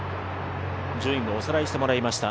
順位をおさらいしてもらいました。